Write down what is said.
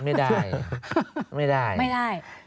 ไม่ได้ไม่ได้ไม่ได้